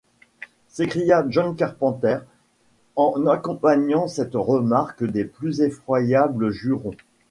s’écria John Carpenter, en accompagnant cette remarque des plus effroyables jurons.